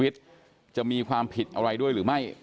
เสียชีวิตจะมีความผิดอะไรด้วยหรือไม่